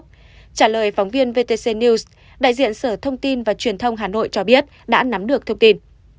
trả lời phóng viên vtc news đại diện sở thông tin và truyền thông hà nội cho biết đã nắm được thông tin